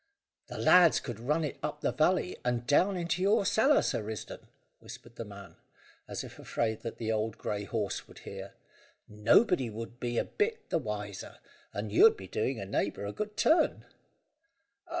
"The lads could run it up the valley, and down into your cellar, Sir Risdon," whispered the man, as if afraid that the old grey horse would hear; "nobody would be a bit the wiser, and you'd be doing a neighbour a good turn."